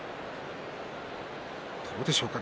どうでしょうか